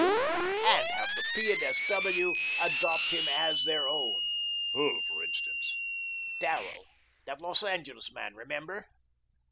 and S. W. and have the P. and S. W. adopt him as their own." "Who, for instance?" "Darrell, that Los Angeles man remember?"